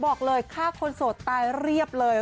บอกเลยฆ่าคนโสดตายเรียบเลย